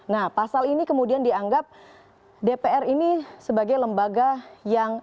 nah pasal ini kemudian dianggap dpr ini sebagai lembaga yang